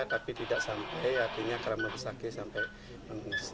tapi tidak sampai adanya kerama besakih sampai mengungsi